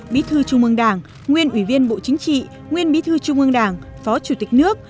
bí thư trung ương đảng nguyên ủy viên bộ chính trị nguyên bí thư trung ương đảng phó chủ tịch nước